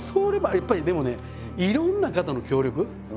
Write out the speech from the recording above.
やっぱりでもねいろんな方の協力。